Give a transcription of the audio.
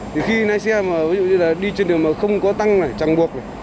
thì khi lái xe mà ví dụ như là đi trên đường mà không có tăng này chẳng buộc